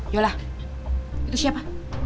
yola itu siapa